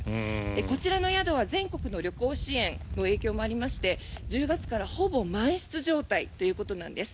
こちらの宿は全国の旅行支援の影響もありまして１０月からほぼ満室状態ということなんです。